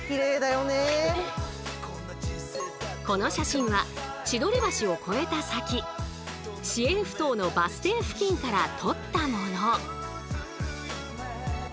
この写真は千鳥橋を越えた先「市営埠頭」のバス停付近から撮ったもの。